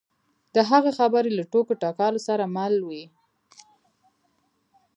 د هغه خبرې له ټوکو ټکالو سره ملې وې.